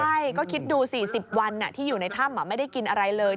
ใช่ก็คิดดู๔๐วันที่อยู่ในถ้ำไม่ได้กินอะไรเลย